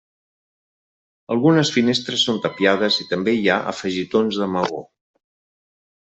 Algunes finestres són tapiades i també hi ha afegitons de maó.